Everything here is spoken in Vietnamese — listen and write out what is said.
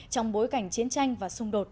trong bối cảnh chiến tranh và xung đột